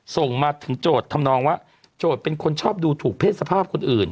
ส่งมาถึงโจทย์ทำนองว่าโจทย์เป็นคนชอบดูถูกเพศสภาพคนอื่น